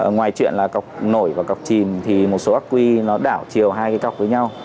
ngoài chuyện là cọc nổi và cọc chìm thì một số ác quy nó đảo chiều hai cái cọc với nhau